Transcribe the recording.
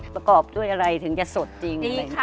ประกอบด้วยอะไรถึงแค่สดจริงเลย